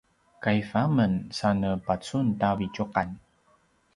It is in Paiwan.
kaiv a men sa ne pacun ta vitjuqan